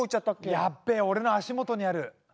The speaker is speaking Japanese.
やっべえ俺の足元にある。